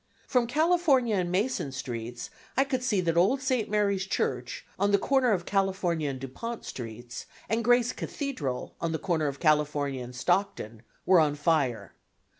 From California and Mason Streets I could see that old St. Mary's Church, on the corner of California and Dupont Streets and Grace Cathedral, on the corner of California and Stockton, were on fire.